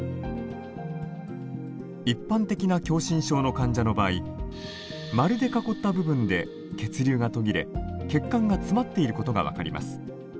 一般的な狭心症の患者の場合丸で囲った部分で血流が途切れ血管が詰まっていることが分かります。